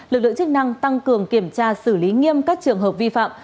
lực lượng chức năng tăng cường kiểm tra xử lý nghiêm các trường hợp vi phạm